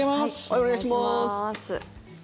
お願いします。